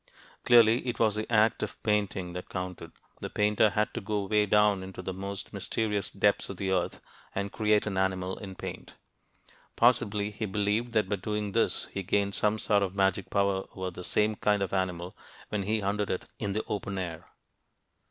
Clearly, it was the act of painting that counted. The painter had to go way down into the most mysterious depths of the earth and create an animal in paint. Possibly he believed that by doing this he gained some sort of magic power over the same kind of animal when he hunted it in the open air.